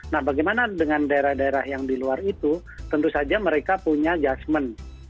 nah bagaimana dengan daerah daerah yang di luar itu tentu saja mereka punya adjustment